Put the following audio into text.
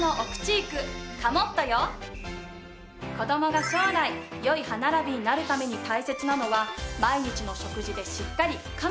子どもが将来良い歯ならびになるために大切なのは毎日の食事でしっかり噛む事なの。